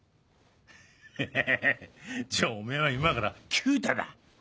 ヘヘヘじゃあおめぇは今から「九太」だ。